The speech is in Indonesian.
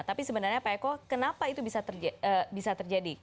tapi sebenarnya pak eko kenapa itu bisa terjadi